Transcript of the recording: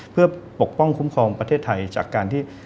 เพื่อปกป้องคุ้มครองประเทศไทยจากการที่